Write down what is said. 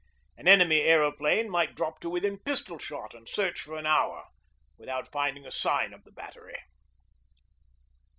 An enemy aeroplane might drop to within pistol shot and search for an hour without finding a sign of the battery.